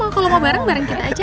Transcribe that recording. kalau mau bareng bareng kita aja